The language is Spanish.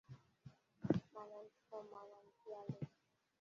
Las pilas cuatro, cinco y siete habían sido ubicadas sobre arroyos o manantiales.